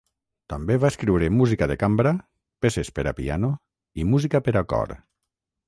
També va escriure música de cambra, peces per a piano i música per a cor.